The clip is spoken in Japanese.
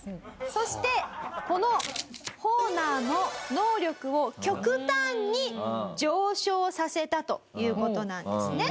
そしてこのホーナーの能力を極端に上昇させたという事なんですね。